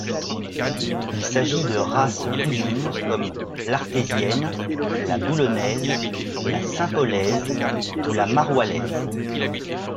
Il s'agit de races cousines, comme l'artésienne, la boulonnaise, la saint-pôlaise, ou la maroillaise.